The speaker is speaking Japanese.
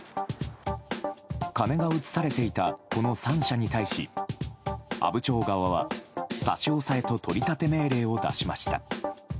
金が移されていたこの３社に対し阿武町側は、差し押さえと取り立て命令を出しました。